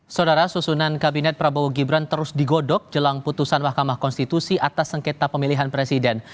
saudara susunan kabinet prabowo gibran terus digodok jelang putusan mahkamah konstitusi atas sengketa pemilihan presiden